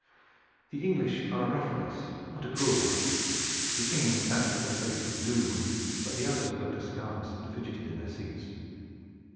The English are a rough race, but not a cruel one. The King sat with a face of doom; but the others looked askance and fidgeted in their seats.